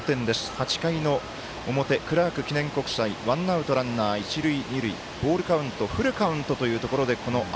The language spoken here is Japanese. ８回の表、クラーク記念国際ワンアウト、ランナー、一塁二塁ボールカウントフルカウントというところでこの雨。